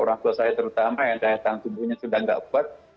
daya tangan tubuhnya sudah tidak kuat